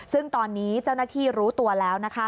ซึ่งตอนนี้เจ้าหน้าที่รู้ตัวแล้ว